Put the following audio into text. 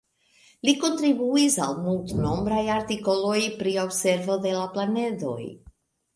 Li kontribuis al multnombraj artikoloj pri observo de la planedoj.